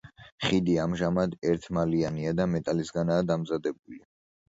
ხიდი ამჟამად ერთმალიანია და მეტალისგანაა დამზადებული.